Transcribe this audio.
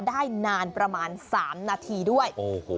ได้นานประมาณ๓นาทีด้วย